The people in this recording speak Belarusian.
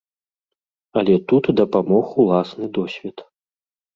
Але тут дапамог уласны досвед.